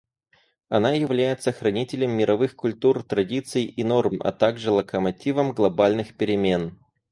Она является хранителем мировых культур, традиций и норм, а также локомотивом глобальных перемен.